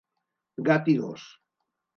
Gat i gos.